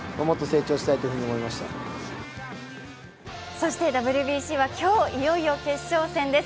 そしてＷＢＣは今日、いよいよ決勝戦です。